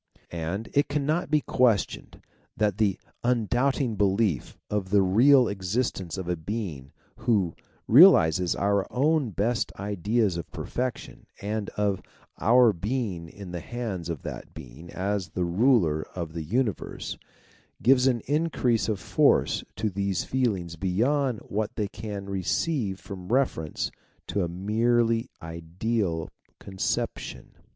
And, it cannot be^guestioned that the un doubting belief of the real existence .of a Being who realizes our own best ideas of perfection, and of our TSemg^in the hands of that Being as the ruler of the universe, gives an increase of force to these feelings beyond what they can receive from reference to a nre"fely ideaT conception